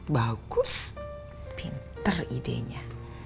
bagus pinter idenya